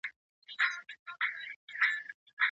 د محرقې ناروغي څنګه مخنیوی کیږي؟